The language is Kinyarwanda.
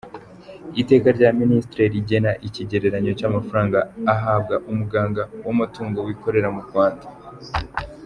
Iteka rya Minisitiri rigena ikigereranyo cy’amafaranga ahabwa umuganga w’amatungo wikorera mu Rwanda;.